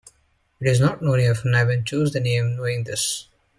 It is not known if Niven chose the name knowing this.